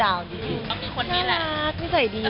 เขาพี่คนเมลกเขาใส่ดีแล้ว